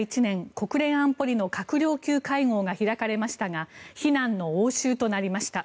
国連安保理の閣僚級会合が開かれましたが非難の応酬となりました。